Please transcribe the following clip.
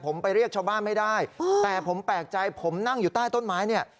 ผมไปเรียกชาวบ้านไม่ได้แต่ผมแปลกใจผมนั่งอยู่ใต้ต้นไม้เนี่ย